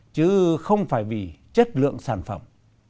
chứ không phải vì chất lượng sản phẩm